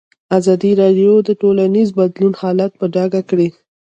ازادي راډیو د ټولنیز بدلون حالت په ډاګه کړی.